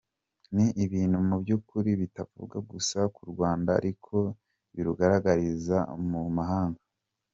N’ibintu mu by’ukuri bitavuga gusa ku Rwanda ariko birugaragaza mu mahanga.